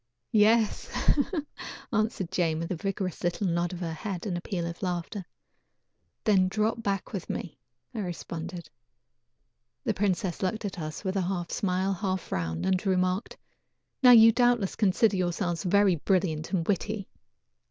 "Yes," answered Jane, with a vigorous little nod of her head, and a peal of laughter. "Then drop back with me," I responded. The princess looked at us with a half smile, half frown, and remarked: "Now you doubtless consider yourselves very brilliant and witty."